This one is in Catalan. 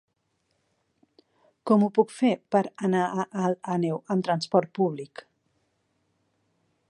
Com ho puc fer per anar a Alt Àneu amb trasport públic?